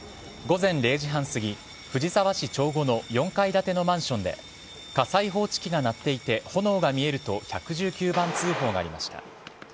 午前０時半すぎ藤沢市長後の４階建てのマンションで火災報知機が鳴っていて炎が見えると１１０番通報がありました。